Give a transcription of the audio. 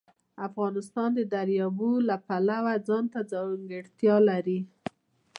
افغانستان د دریابونه د پلوه ځانته ځانګړتیا لري.